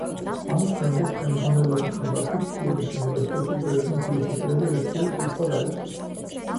ამის შემდეგ, ხელმძღვანელობის ნებართვით, კიევის უნივერსიტეტში ბერძნულ ფილოსოფიაზე ლექციების კითხვა დაიწყო.